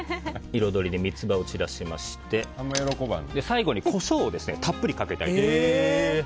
彩りで三つ葉を散らしまして最後にコショウをたっぷりかけてあげる。